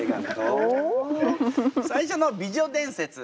最初の美女伝説こちら！